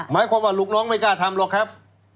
หมายความว่าลูกน้องไม่กล้าทำหรอกครับ